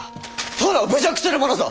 殿を侮辱するものぞ！